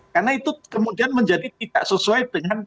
karena itu kemudian menjadi tidak sesuai dengan